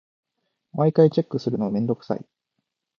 毎回チェックするのめんどくさい。